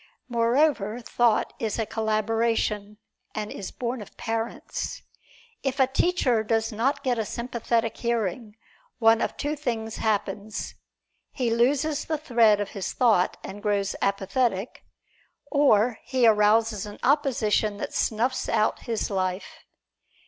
Moreover, thought is a collaboration, and is born of parents. If a teacher does not get a sympathetic hearing, one of two things happens: he loses the thread of his thought and grows apathetic, or he arouses an opposition that snuffs out his life.